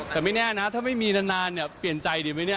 แต่ไม่แน่นะถ้าไม่มีนานเนี่ยเปลี่ยนใจดีไหมเนี่ย